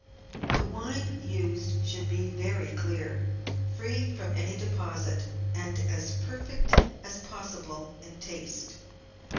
The wine used should be very clear, free from any deposit, and as perfect as possible in taste.